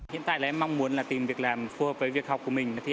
hiện tại em mong muốn tìm việc làm phù hợp với việc học của mình